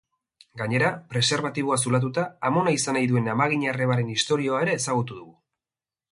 Gainera, preserbatiboa zulatuta amona izan nahi duen amaginarrebaern istorioa ere ezagutu dugu.